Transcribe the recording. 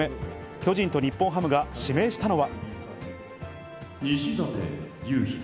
巨人と日本ハムが指名したのは。